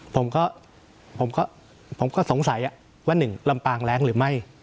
ผมก็ผมก็สงสัยว่า๑ลำปางแรงหรือไม่